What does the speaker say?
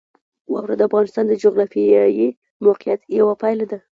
واوره د افغانستان د جغرافیایي موقیعت یوه پایله ده.